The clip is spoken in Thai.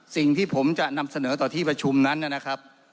สิ่งที่ผมจะนำเสนอต่อที่ประชุมนั้นนะครับ